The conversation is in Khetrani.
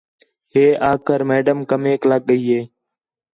ہِے آکھ کر میڈم کمیک لڳ ڳئی ہے